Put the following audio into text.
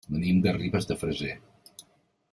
Venim de Ribes de Freser.